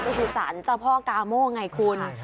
ก็คือสารเจ้าพ่อกาโม่ไงคุณ